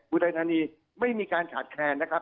อุทัยธานีไม่มีการขาดแคลนนะครับ